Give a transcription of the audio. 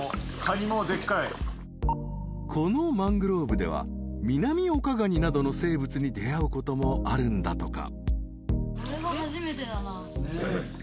［このマングローブではミナミオカガニなどの生物に出合うこともあるんだとか］